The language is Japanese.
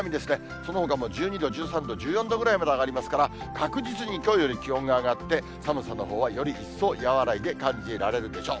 そのほかも１２度、１３度、１４度ぐらいまで上がりますから、確実にきょうより気温が上がって、寒さのほうはより一層和らいで感じられるでしょう。